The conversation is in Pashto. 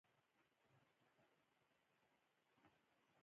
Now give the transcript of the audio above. د صفوي پاچا د دسیسو له امله اسیر شو او اصفهان ته ولېږدول شو.